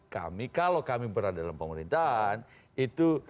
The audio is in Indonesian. kami kalau kami berada dalam pemerintahan itu